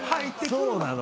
そうなの？